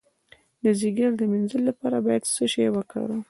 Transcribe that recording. د ځیګر د مینځلو لپاره باید څه شی وکاروم؟